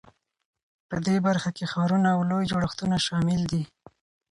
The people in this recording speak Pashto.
په دې برخه کې ښارونه او لوی جوړښتونه شامل دي.